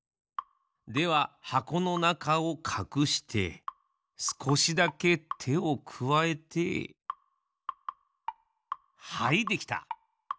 では箱のなかをかくしてすこしだけてをくわえてはいできた！